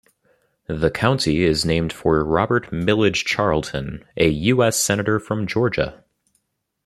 The county is named for Robert Milledge Charlton, a U. S. Senator from Georgia.